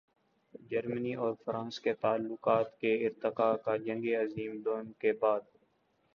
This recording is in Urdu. جرمنی اور فرانس کے تعلقات کے ارتقاء کا جنگ عظیم دوئم کے بعد۔